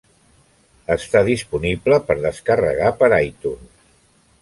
Està disponible per descarregar per iTunes.